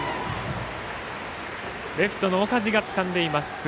レフトの岡治がつかんでいます。